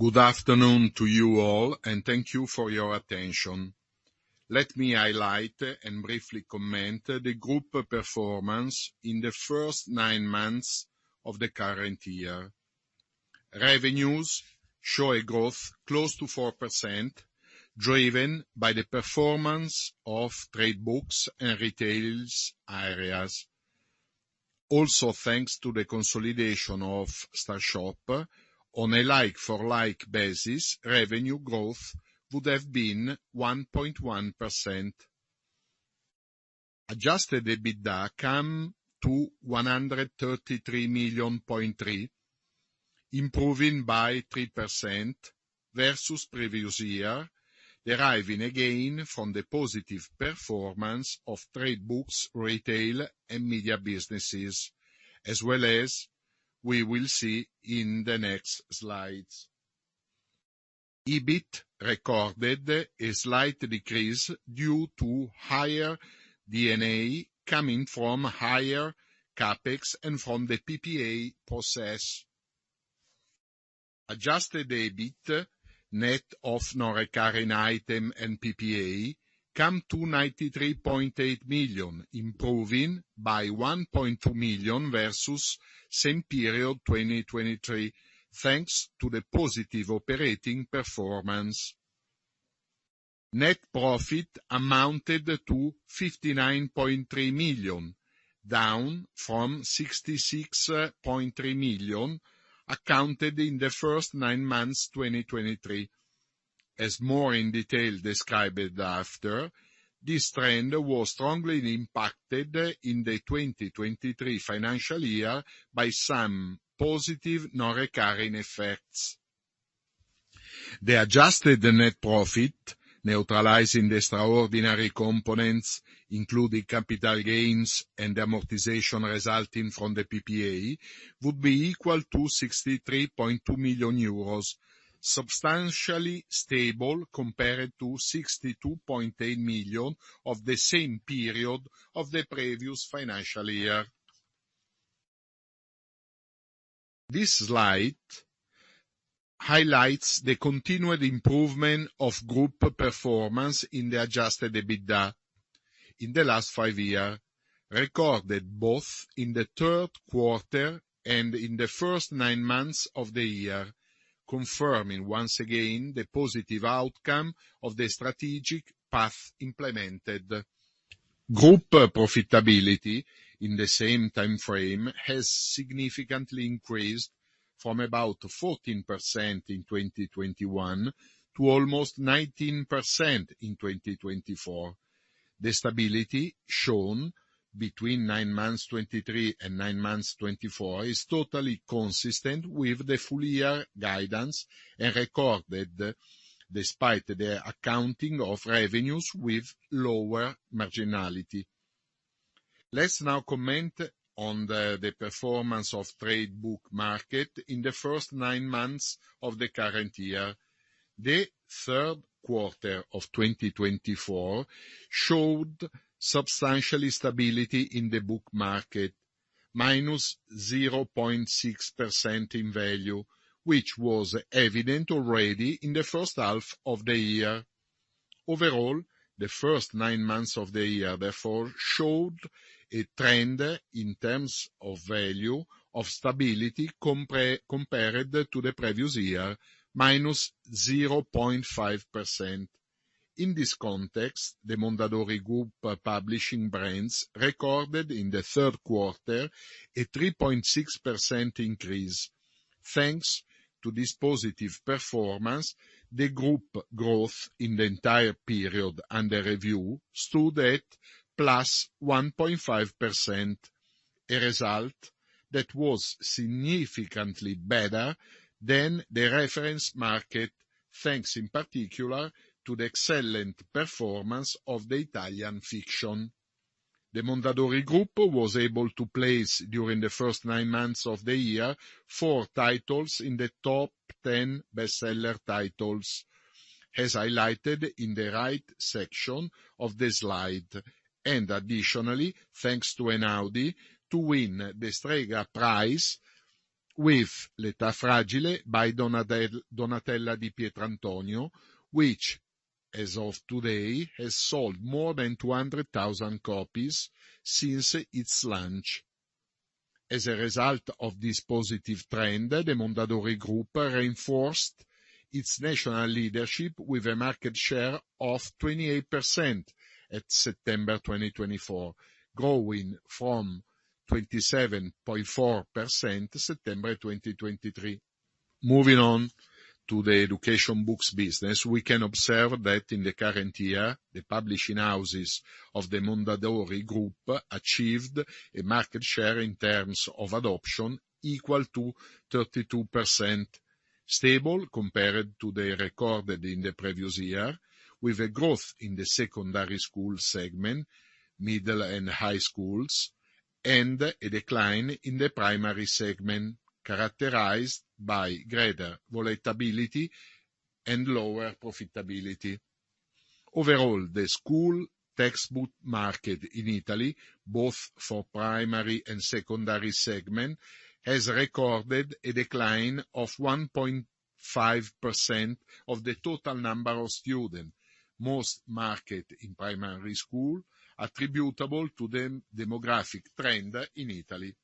Good afternoon to you all, and thank you for your attention. Let me highlight and briefly comment on the group performance in the first nine months of the current year. Revenues show a growth close to 4%, driven by the performance of trade books and retail areas. Also, thanks to the consolidation of Star Shop, on a like-for-like basis, revenue growth would have been 1.1%. Adjusted EBITDA came to 133.3 million, improving by 3% versus the previous year, deriving again from the positive performance of trade books, retail, and media businesses, as well as we will see in the next slides. EBIT recorded a slight decrease due to higher D&A coming from higher CapEx and from the PPA process. Adjusted EBIT net of non-recurring items and PPA came to 93.8 million, improving by 1.2 million versus the same period 2023, thanks to the positive operating performance. Net profit amounted to 59.3 million, down from 66.3 million accounted in the first nine months of 2023. As more in detail described after, this trend was strongly impacted in the 2023 financial year by some positive non-recurring effects. The adjusted net profit, neutralizing the extraordinary components including capital gains and amortization resulting from the PPA, would be equal to 63.2 million euros, substantially stable compared to 62.8 million of the same period of the previous financial year. This slide highlights the continued improvement of group performance in the adjusted EBITDA in the last five years, recorded both in the third quarter and in the first nine months of the year, confirming once again the positive outcome of the strategic path implemented. Group profitability in the same time frame has significantly increased from about 14% in 2021 to almost 19% in 2024. The stability shown between nine months 2023 and nine months 2024 is totally consistent with the full-year guidance and recorded despite the accounting of revenues with lower marginality. Let's now comment on the performance of trade book market in the first nine months of the current year. The third quarter of 2024 showed substantial stability in the book market, -0.6% in value, which was evident already in the first half of the year. Overall, the first nine months of the year, therefore, showed a trend in terms of value of stability compared to the previous year, -0.5%. In this context, the Mondadori Group publishing brands recorded in the third quarter a 3.6% increase. Thanks to this positive performance, the group growth in the entire period under review stood at 1.5%, a result that was significantly better than the reference market, thanks in particular to the excellent performance of the Italian fiction. The Mondadori Group was able to place during the first nine months of the year four titles in the top 10 bestseller titles, as highlighted in the right section of the slide, and additionally thanks to Einaudi to win the Strega Prize with L'età fragile by Donatella Di Pietrantonio, which, as of today, has sold more than 200,000 copies since its launch. As a result of this positive trend, the Mondadori Group reinforced its national leadership with a market share of 28% at September 2024, growing from 27.4% September 2023. Moving on to the education books business, we can observe that in the current year, the publishing houses of the Mondadori Group achieved a market share in terms of adoption equal to 32%, stable compared to the recorded in the previous year, with a growth in the secondary school segment, middle and high schools, and a decline in the primary segment characterized by greater volatility and lower profitability. Overall, the school textbook market in Italy, both for primary and secondary segment, has recorded a decline of 1.5% of the total number of students, most marked in primary school, attributable to the demographic trend in Italy.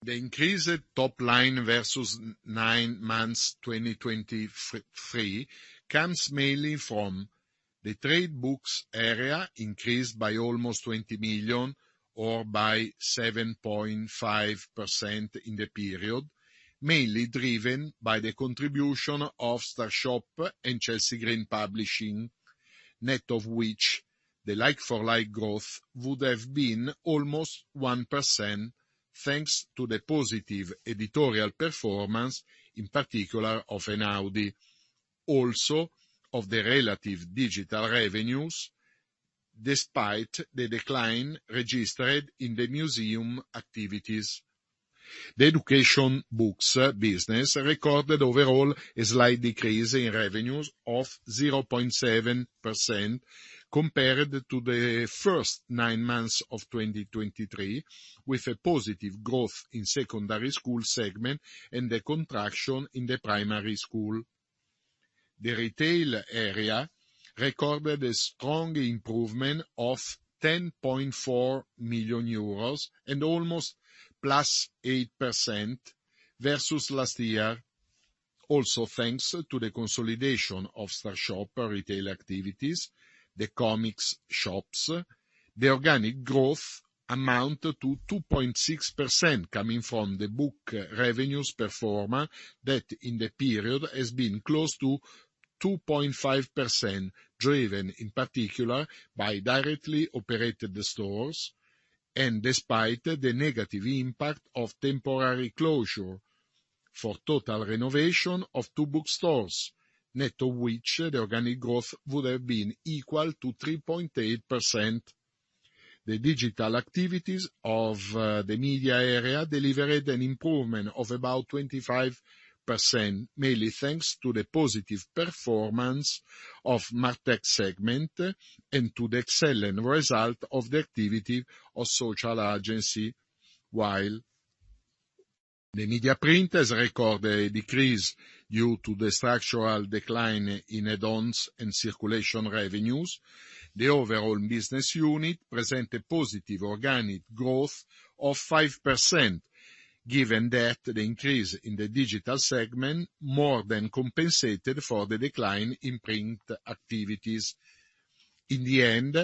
The increased top line versus nine months 2023 comes mainly from the trade books area increased by almost 20 million or by 7.5% in the period, mainly driven by the contribution of Star Shop and Chelsea Green Publishing, net of which the like-for-like growth would have been almost 1%, thanks to the positive editorial performance, in particular of Einaudi, also of the relative digital revenues, despite the decline registered in the museum activities. The education books business recorded overall a slight decrease in revenues of 0.7% compared to the first nine months of 2023, with a positive growth in the secondary school segment and a contraction in the primary school. The retail area recorded a strong improvement of 10.4 million euros and almost +8% versus last year. Also, thanks to the consolidation of Star Shop retail activities, the comics shops, the organic growth amounted to 2.6% coming from the book revenues performed that in the period has been close to 2.5%, driven in particular by directly operated stores, and despite the negative impact of temporary closure for total renovation of two bookstores, net of which the organic growth would have been equal to 3.8%. The digital activities of the media area delivered an improvement of about 25%, mainly thanks to the positive performance of the MarTech segment and to the excellent result of the activity of Social Agency. While the media print has recorded a decrease due to the structural decline in add-ons and circulation revenues, the overall business unit presented positive organic growth of 5%, given that the increase in the digital segment more than compensated for the decline in print activities. In the end,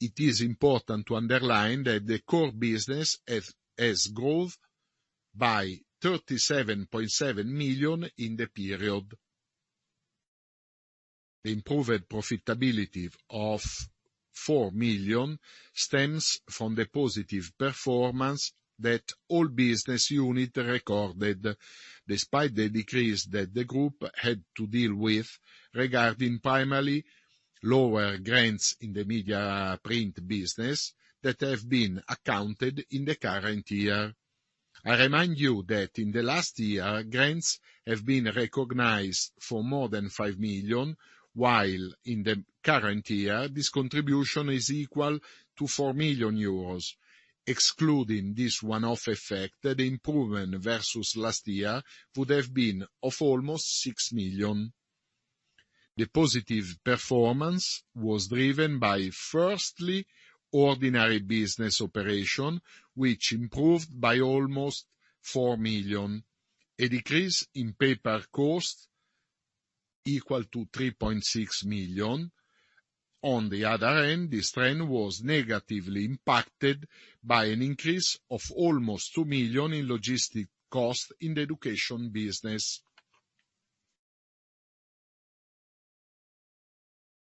it is important to underline that the core business has grown by 37.7 million in the period. The improved profitability of 4 million stems from the positive performance that all business units recorded, despite the decrease that the group had to deal with regarding primarily lower grants in the media print business that have been accounted in the current year. I remind you that in the last year, grants have been recognized for more than 5 million, while in the current year, this contribution is equal to 4 million euros. Excluding this one-off effect, the improvement versus last year would have been of almost 6 million. The positive performance was driven by, firstly, ordinary business operation, which improved by almost 4 million, a decrease in paper cost equal to 3.6 million. On the other hand, this trend was negatively impacted by an increase of almost 2 million in logistic cost in the education business.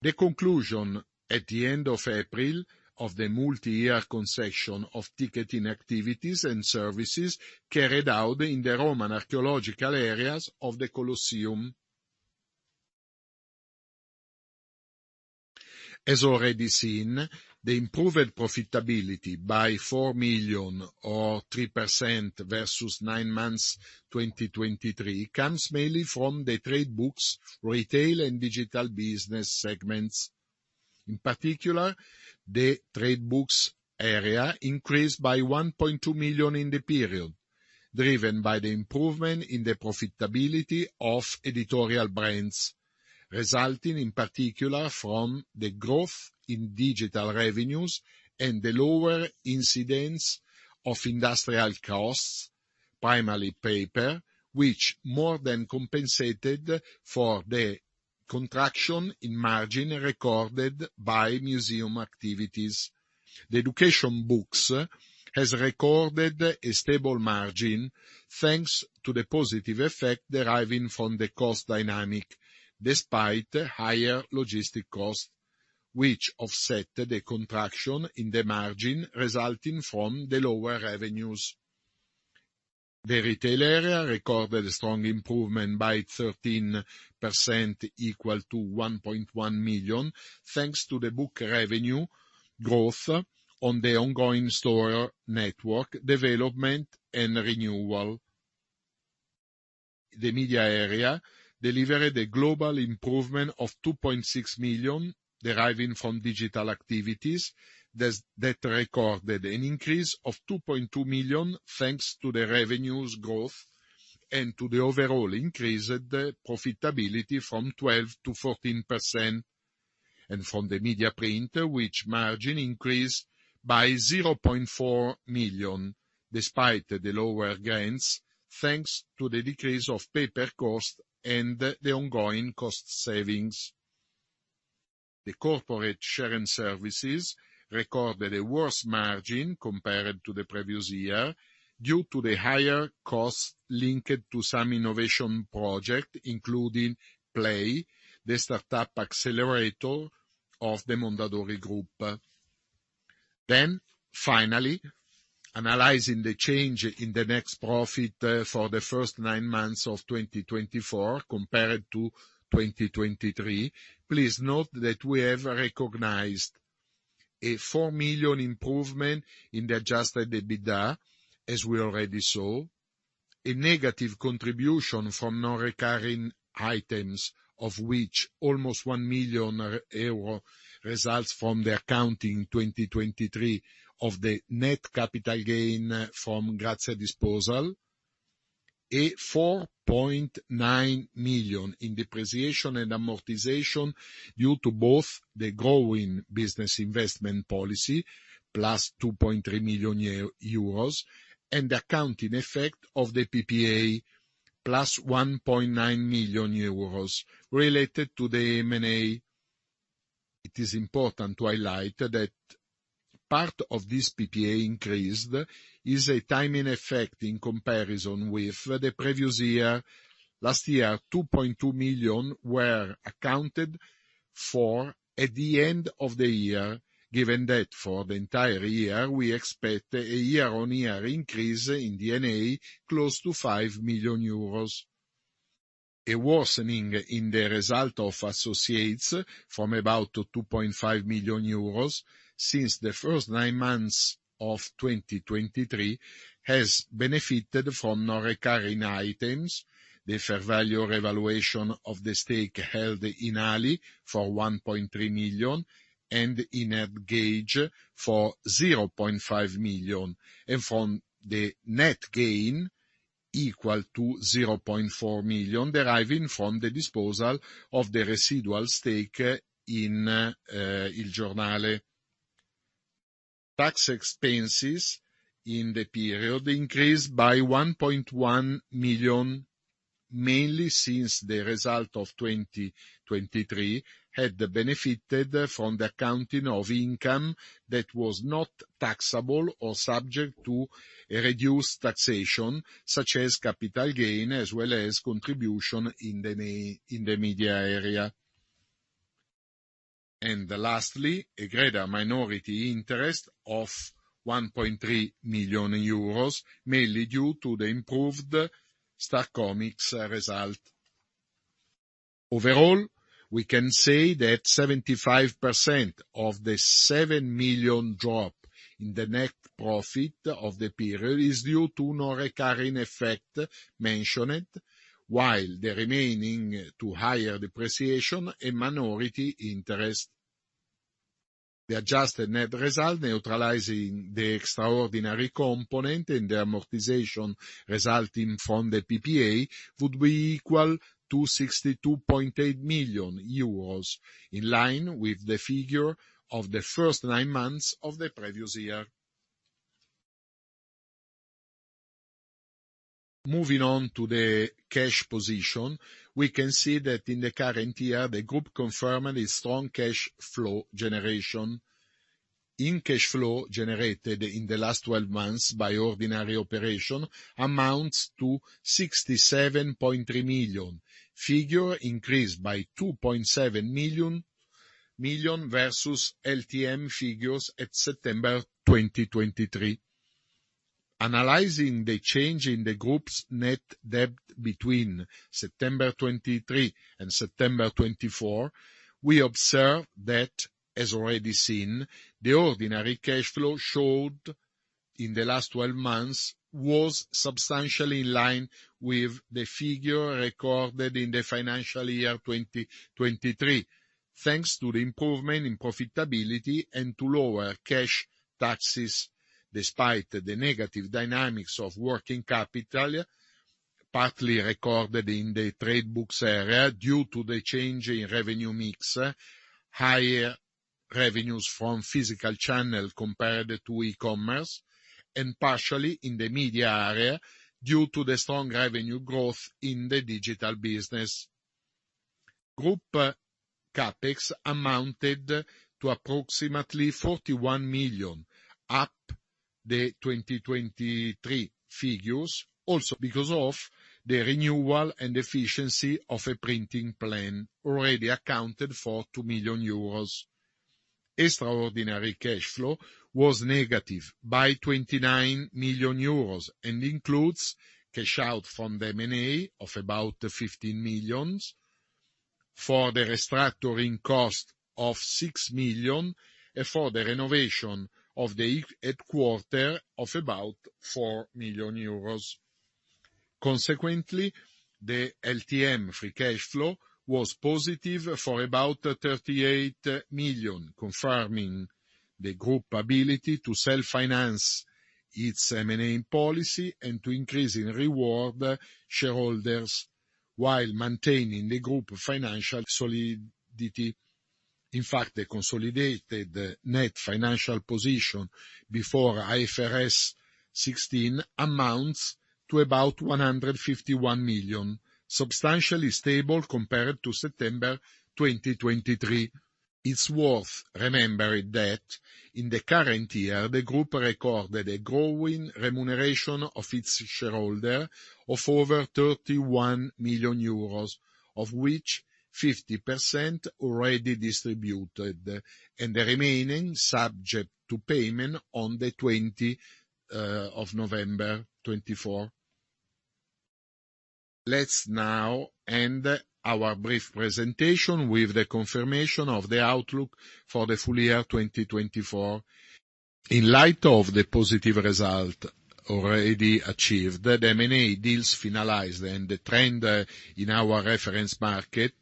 The conclusion at the end of April of the multi-year concession of ticketing activities and services carried out in the Roman archaeological areas of the Colosseum. As already seen, the improved profitability by 4 million or 3% versus nine months 2023 comes mainly from the trade books, retail, and digital business segments. In particular, the trade books area increased by 1.2 million in the period, driven by the improvement in the profitability of editorial brands, resulting in particular from the growth in digital revenues and the lower incidence of industrial costs, primarily paper, which more than compensated for the contraction in margin recorded by museum activities. The education books have recorded a stable margin thanks to the positive effect deriving from the cost dynamic, despite higher logistic cost, which offset the contraction in the margin resulting from the lower revenues. The retail area recorded a strong improvement by 13% equal to 1.1 million, thanks to the book revenue growth on the ongoing store network development and renewal. The media area delivered a global improvement of 2.6 million deriving from digital activities that recorded an increase of 2.2 million thanks to the revenues growth and to the overall increased profitability from 12%-14%, and from the media print, which margin increased by 0.4 million, despite the lower grants, thanks to the decrease of paper cost and the ongoing cost savings. The Corporate & Shared Services recorded a worse margin compared to the previous year due to the higher cost linked to some innovation project, including PLAI, the startup accelerator of the Mondadori Group. Then, finally, analyzing the change in the net profit for the first nine months of 2024 compared to 2023, please note that we have recognized a 4 million improvement in the adjusted EBITDA, as we already saw, a negative contribution from non-recurring items, of which almost 1 million euro results from the accounting 2023 of the net capital gain from Grazia disposal, a 4.9 million in depreciation and amortization due to both the growing business investment policy, +2.3 million euros, and the accounting effect of the PPA,+EUR 1.9 million related to the M&A. It is important to highlight that part of this PPA increase is a timing effect in comparison with the previous year. Last year, 2.2 million were accounted for at the end of the year, given that for the entire year we expect a year-on-year increase in the D&A close to 5 million euros. A worsening in the result of associates from about 2.5 million euros since the first nine months of 2023 has benefited from non-recurring items, the fair value revaluation of the stake held in ALI for 1.3 million, and in Adgage for 0.5 million, and from the net gain equal to 0.4 million deriving from the disposal of the residual stake in Il Giornale. Tax expenses in the period increased by 1.1 million, mainly since the result of 2023 had benefited from the accounting of income that was not taxable or subject to a reduced taxation, such as capital gain as well as contribution in the media area. And lastly, a greater minority interest of 1.3 million euros, mainly due to the improved Star Comics result. Overall, we can say that 75% of the 7 million drop in the net profit of the period is due to non-recurring effect mentioned, while the remaining to higher depreciation a minority interest. The adjusted net result, neutralizing the extraordinary component and the amortization resulting from the PPA, would be equal to 62.8 million euros, in line with the figure of the first nine months of the previous year. Moving on to the cash position, we can see that in the current year, the group confirmed a strong cash flow generation. In cash flow generated in the last 12 months by ordinary operation amounts to 67.3 million, figure increased by 2.7 million versus LTM figures at September 2023. Analyzing the change in the group's net debt between September 2023 and September 2024, we observe that, as already seen, the ordinary cash flow showed in the last 12 months was substantially in line with the figure recorded in the financial year 2023, thanks to the improvement in profitability and to lower cash taxes. Despite the negative dynamics of working capital, partly recorded in the trade books area due to the change in revenue mix, higher revenues from physical channel compared to e-commerce, and partially in the media area due to the strong revenue growth in the digital business. Group CapEx amounted to approximately 41 million, up the 2023 figures, also because of the renewal and efficiency of a printing plant, already accounted for 2 million euros. Extraordinary cash flow was negative by 29 million euros and includes cash out from the M&A of about 15 million, for the restructuring cost of 6 million, and for the renovation of the headquarters of about 4 million euros. Consequently, the LTM free cash flow was positive for about 38 million, confirming the group's ability to self-finance its M&A policy and to increase in reward shareholders while maintaining the group financial solidity. In fact, the consolidated net financial position before IFRS 16 amounts to about 151 million, substantially stable compared to September 2023. It's worth remembering that in the current year, the group recorded a growing remuneration of its shareholder of over 31 million euros, of which 50% already distributed and the remaining subject to payment on the 20th of November 2024. Let's now end our brief presentation with the confirmation of the outlook for the full year 2024. In light of the positive result already achieved, the M&A deals finalized and the trend in our reference markets,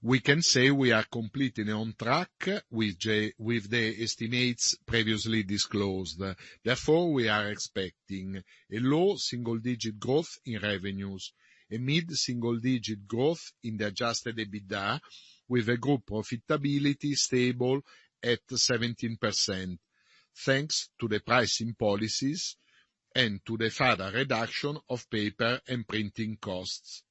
we can say we are completely on track with the estimates previously disclosed. Therefore, we are expecting a low single-digit growth in revenues, a mid-single-digit growth in the Adjusted EBITDA, with a group profitability stable at 17%, thanks to the pricing policies and to the further reduction of paper and printing costs.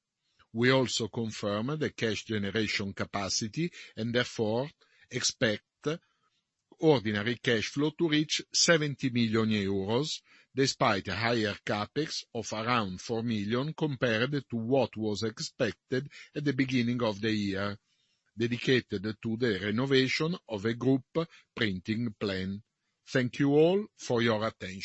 We also confirm the cash generation capacity and therefore expect ordinary cash flow to reach 70 million euros, despite a higher CapEx of around 4 million compared to what was expected at the beginning of the year, dedicated to the renovation of a group printing plant. Thank you all for your attention.